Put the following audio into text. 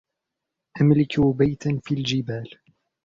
أملك بيتاً في الجبال.